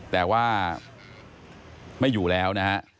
แต่ว่าไม่อยู่แล้วนะฮะ